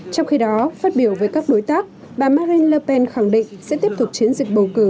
trong khi đó phát biểu với các đối tác bà marine le pen khẳng định sẽ tiếp tục chiến dịch bầu cử